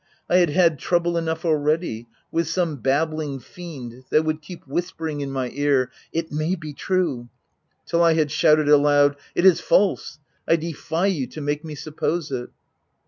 — I had had trouble enough already, with some babbling fiend that would keep whispering in my ear, " It may be true," till I had shouted aloud, " It is false ! I defy you to make me suppose it